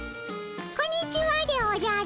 こんにちはでおじゃる。